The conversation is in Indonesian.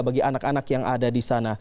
bagi anak anak yang ada disana